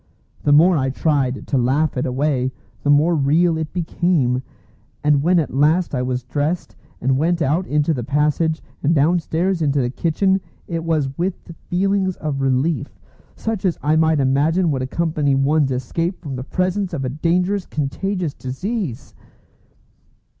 The more I tried to laugh it away, the more real it became; and when at last I was dressed, and went out into the passage, and downstairs into the kitchen, it was with feelings of relief, such as I might imagine would accompany one's escape from the presence of a dangerous contagious disease.